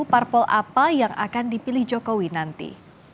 parpol apa yang akan dipilih jokowi nanti